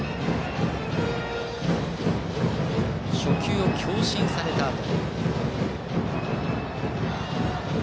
初球を強振されたあと。